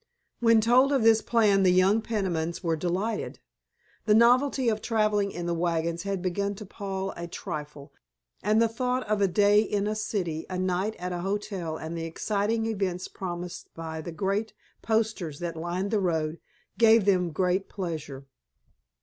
When told of this plan the young Penimans were delighted. The novelty of traveling in the wagons had begun to pall a trifle, and the thought of a day in a city, a night at a hotel, and the exciting events promised by the great posters that lined the roads, gave them great pleasure.